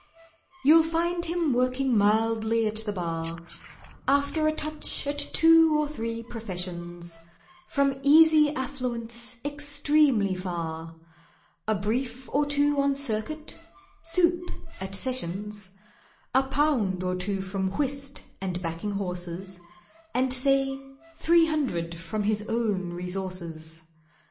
You'll find him working mildly at the Bar, After a touch at two or three professions, From easy affluence extremely far, A brief or two on Circuit—"soup" at Sessions; A pound or two from whist and backing horses, And, say three hundred from his own resources.